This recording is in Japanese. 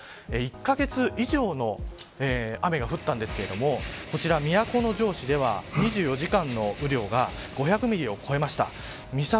１カ月以上の雨が降ったんですけれどもこちら都城市では２４時間の雨量が５００ミリを超えました。